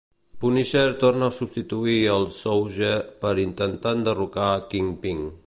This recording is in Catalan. Punisher torna a substituir el Scourge per intentar enderrocar a Kingpin.